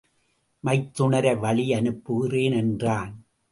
மைத்துனரை வழி அனுப்புகிறேன் என்றான்.